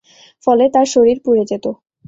ফলে তার শরীর পুড়ে যেত।